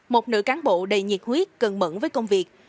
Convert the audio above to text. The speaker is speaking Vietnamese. một nữ cán bộ đầy nhiệt huyết cần mẫn với công việc